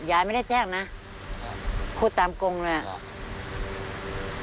ยายไม่ได้แช่งนะพูดตามกงเลยนะครับครับ